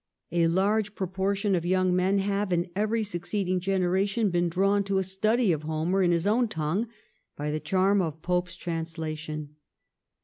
A large proportion of young men have in every suc ceeding generation been drawn to a study of Homer in his own tongue by the charm of Pope's translation.